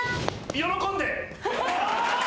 喜んで！